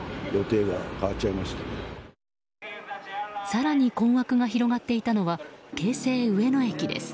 更に困惑が広がっていたのは京成上野駅です。